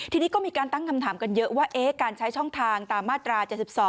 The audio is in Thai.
ทีนี้ก็มีการตั้งคำถามกันเยอะว่าการใช้ช่องทางตามมาตรา๗๒